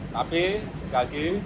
tapi sekali lagi